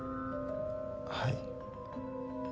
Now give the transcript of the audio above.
はい。